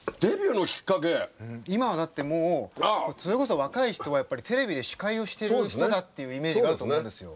今はだってもうそれこそ若い人はやっぱりテレビで司会をしてる人だっていうイメージがあると思うんですよ。